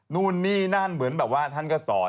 นู่นนี่นั่นเหมือนแบบว่าท่านก็สอน